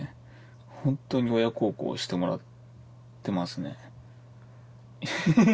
ホントに親孝行してもらってますねヘヘヘ